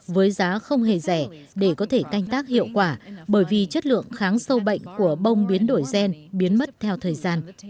với giá không hề rẻ để có thể canh tác hiệu quả bởi vì chất lượng kháng sâu bệnh của bông biến đổi gen biến mất theo thời gian